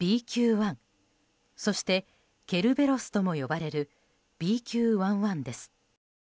そしてケルベロスとも呼ばれるＢＱ．１．１です。